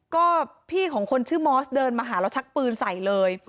ก็พี่ของคนชื่อมอสเดินมาหาแล้วชักปืนใส่เลย